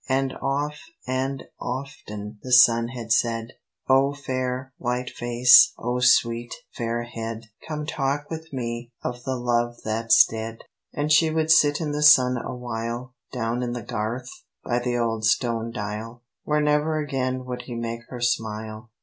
And oft and often the sun had said "O fair, white face, O sweet, fair head, Come talk with me of the love that's dead." And she would sit in the sun awhile, Down in the garth by the old stone dial, Where never again would he make her smile.